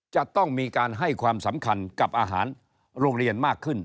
จะต้องมีการให้ความสำคัญกับอาหารโรงเรียนมากขึ้น